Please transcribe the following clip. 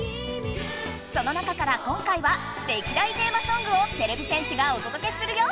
そのなかから今回は歴代テーマソングをてれび戦士がおとどけするよ！